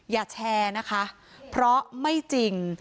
อย่าแชร์นะคะเพราะไม่จริง